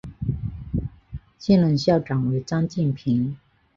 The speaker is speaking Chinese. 现任校长为张晋平。